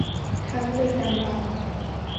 ครั้งดึกดำบรรพ์